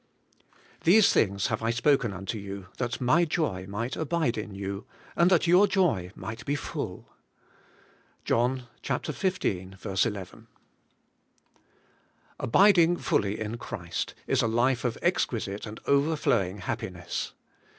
* These things have I spoken unto you, that my joy might abide in you, and that your joy might be fulL '—John xv. 11. ABIDING fully in Christ is a life of exquisite and overflowing happiness.